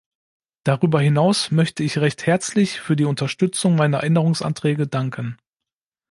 Darüber hinaus möchte ich recht herzlich für die Unterstützung meiner Änderungsanträge danken.